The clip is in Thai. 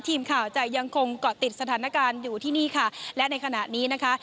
ทีมข่าวจะยังคงเกาะติดสถานการณ์อยู่ที่นี่ค่ะและในขณะนี้นะคะ